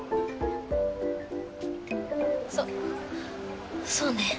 そっそうね